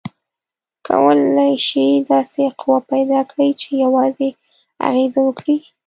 کولی شئ داسې قوه پیداکړئ چې یوازې اغیزه وکړي؟